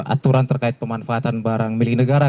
aturan terkait pemanfaatan barang milik negara